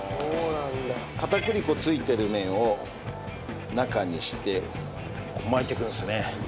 片栗粉ついてる面を中にして巻いていくんですね。